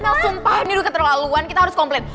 kalau sumpah ini udah keterlaluan kita harus komplain